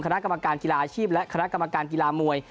คณะกรรมการกีฬาอาชีพและคณะกรรมการกีฬามวย